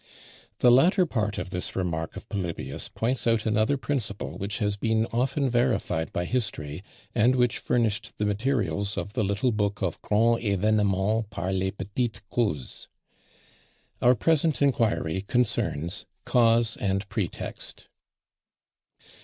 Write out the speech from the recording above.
The latter part of this remark of Polybius points out another principle which has been often verified by history, and which furnished the materials of the little book of "Grands Evénemens par les petites Causes." Our present inquiry concerns "cause and pretext."